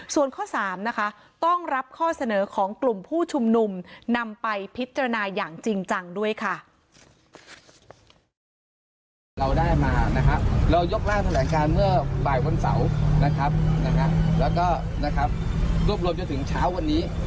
ส่วนข้อ๓นะคะต้องรับข้อเสนอของกลุ่มผู้ชุมนุมนำไปพิจารณาอย่างจริงจังด้วยค่ะ